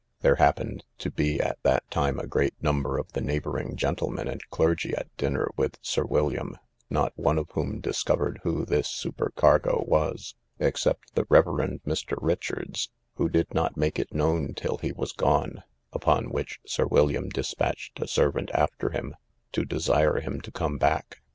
There happened to be at that time a great number of the neighbouring gentlemen and clergy at dinner with Sir William, not one of whom discovered who this supercargo was, except the Reverend Mr. Richards, who did not make it known till he was gone; upon which Sir William dispatched a servant after him, to desire him to come back.